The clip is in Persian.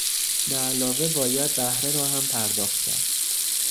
به علاوه باید بهره را هم پرداخت کرد.